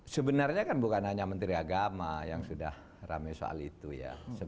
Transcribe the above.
sebenarnya kan bukan hanya menteri agama yang sudah rame soal itu ya